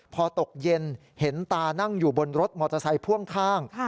พอตกเย็นเห็นตานั่งอยู่บนรถมอเตอร์ไซค์พ่วงข้าง